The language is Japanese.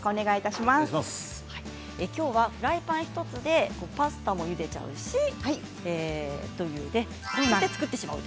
きょうはフライパン１つでパスタも、ゆでちゃうし１つで作ってしまう。